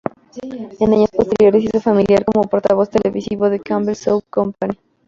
En años posteriores se hizo familiar como portavoz televisivo de Campbell Soup Company.